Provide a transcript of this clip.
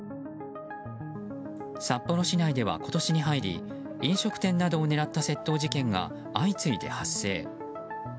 札幌市内では今年に入り飲食店などを狙った窃盗事件が相次いで発生。